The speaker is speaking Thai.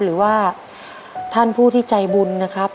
หรือว่าท่านผู้ที่ใจบุญนะครับ